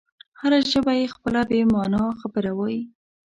هره ژبه یې خپله بې مانا خبره وایي.